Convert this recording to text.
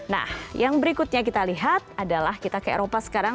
nah yang berikutnya kita lihat adalah kita ke eropa sekarang